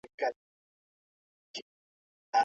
اسلام د خلګو ترمنځ مساوات غواړي.